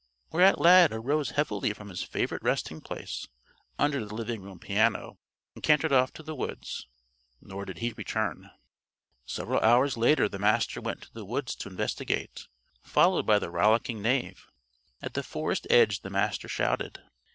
Whereat Lad arose heavily from his favorite resting place under the living room piano and cantered off to the woods. Nor did he return. Several hours later the Master went to the woods to investigate, followed by the rollicking Knave. At the forest edge the Master shouted.